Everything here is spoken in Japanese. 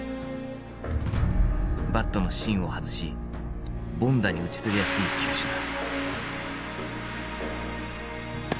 バットの芯を外し凡打に打ち取りやすい球種だ。